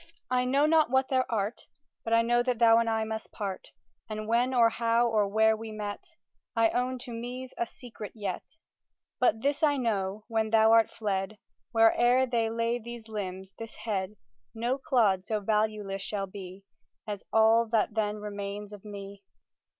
I know not what thou art, But know that thou and I must part; And when or how or where we met, I own to me's a secret yet. But this I know, when thou art fled, Where'er they lay these limbs, this head, No clod so valueless shall be, As all that then remains of me.